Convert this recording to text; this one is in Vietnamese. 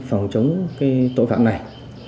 phòng chống tội phạm này